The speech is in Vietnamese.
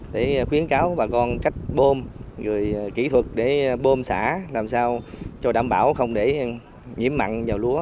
để khuyến cáo bà con cách bơm kỹ thuật để bơm xả làm sao cho đảm bảo không để nhiễm mặn vào lúa